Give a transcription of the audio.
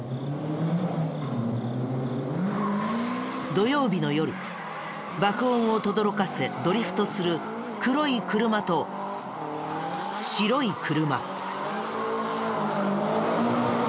土曜日の夜爆音をとどろかせドリフトする黒い車と白い車。